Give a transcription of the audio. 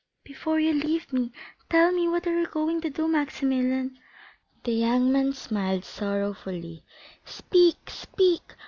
"Before you leave me, tell me what you are going to do, Maximilian." The young man smiled sorrowfully. "Speak, speak!"